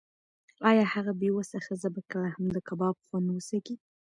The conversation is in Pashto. ایا هغه بې وسه ښځه به کله هم د کباب خوند وڅکي؟